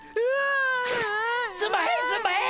すんまへんすんまへん！